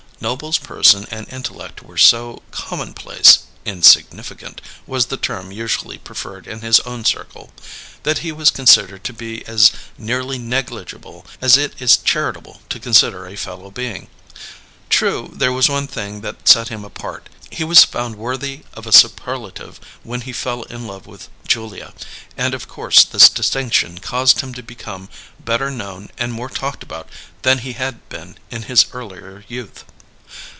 Noble's person and intellect were so commonplace "insignificant" was the term usually preferred in his own circle that he was considered to be as nearly negligible as it is charitable to consider a fellow being. True, there was one thing that set him apart; he was found worthy of a superlative when he fell in love with Julia; and of course this distinction caused him to become better known and more talked about than he had been in his earlier youth.